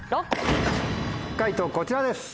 解答こちらです。